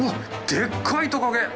でっかいトカゲ！